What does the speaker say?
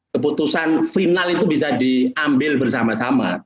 keputusan final itu bisa diambil bersama sama